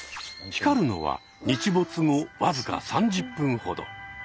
光るのは日没後わずか３０分ほど。